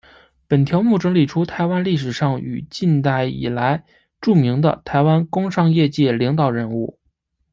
本条目整理出台湾历史上与近代以来著名的台湾工商业界领导人物。